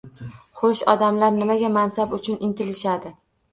Xo’sh, odamlar nimaga mansab uchun intilishadi?